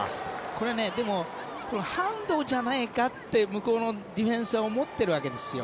これねハンドじゃないかって向こうのディフェンスは思っているわけですよ。